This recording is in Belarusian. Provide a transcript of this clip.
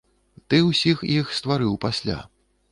Ты ўсіх іх стварыў пасля.